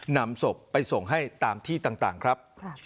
นำศพไปส่งให้ตามที่ต่างครับ